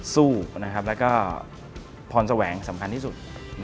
สู้แล้วก็พรแสวงสำคัญที่สุด